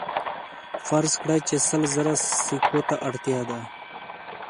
فرض کړئ چې سل زره سکو ته اړتیا ده